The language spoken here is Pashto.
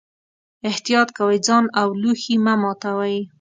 احتیاط کوئ، ځان او لوښي مه ماتوئ.